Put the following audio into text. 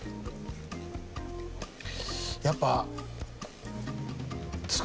やっぱ。